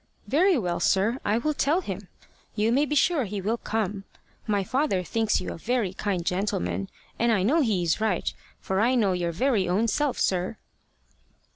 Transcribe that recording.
"Very well, sir. I will tell him. You may be sure he will come. My father thinks you a very kind gentleman, and I know he is right, for I know your very own self, sir."